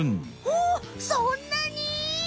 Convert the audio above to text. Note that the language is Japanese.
おそんなに！？